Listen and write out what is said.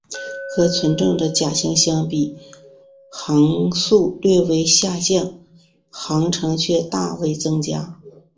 和纯正的甲型相比航速略为下降航程却大为增加。